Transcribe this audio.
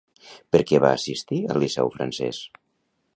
Per què va assistir al Liceu francès?